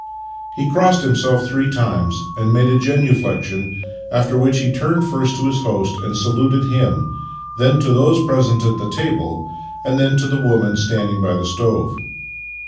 He crossed himself three times and made a genuflexion, after which he turned first to his host and saluted him, then to those present at the table, and then to the women standing by the stove.